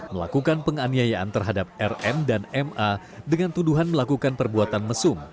melakukan penganiayaan terhadap rn dan ma dengan tuduhan melakukan perbuatan mesum